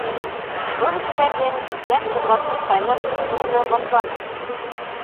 Был эштәрҙең йән ҡуҙғатҡыс ҡайнар көсө уны ҡапланы.